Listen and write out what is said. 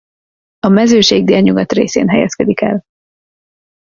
A Mezőség délnyugat részén helyezkedik el.